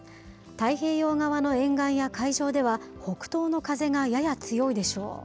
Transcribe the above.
太平洋側の沿岸や海上では、北東の風がやや強いでしょう。